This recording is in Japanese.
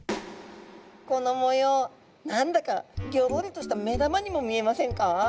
この模様何だかギョロリとした目玉にも見えませんか？